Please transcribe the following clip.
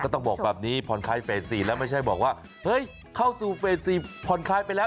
ต้องบอกแบบนี้ผ่อนคลายเฟส๔แล้วไม่ใช่บอกว่าเฮ้ยเข้าสู่เฟส๔ผ่อนคลายไปแล้ว